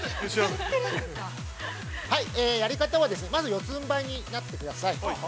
やり方はですね、まず四つんばいになってください。